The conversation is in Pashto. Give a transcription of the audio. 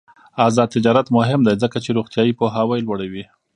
آزاد تجارت مهم دی ځکه چې روغتیايي پوهاوی لوړوي.